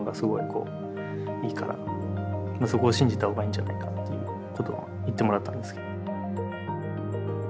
こういいからそこを信じたほうがいいんじゃないかっていうことを言ってもらったんですけど。